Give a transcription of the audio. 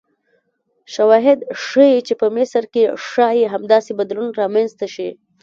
شواهد ښیي چې په مصر کې ښایي همداسې بدلون رامنځته شي.